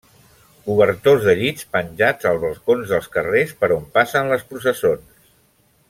Cobertors de llit penjats als balcons dels carrers per on passen les processons.